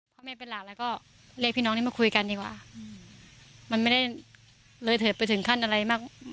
พ่อแม่เป็นหลานแล้วก็เรียกพี่น้องนี้มาคุยกันดีกว่ามันไม่ได้เลยเถิดไปถึงขั้นอะไรมาก